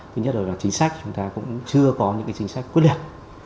thứ nhất là chính sách chúng ta cũng chưa có những chính sách quyết liệt